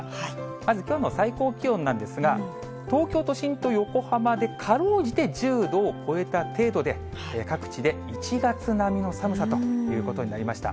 まずきょうの最高気温なんですが、東京都心と横浜でかろうじて１０度を超えた程度で、各地で１月並みの寒さということになりました。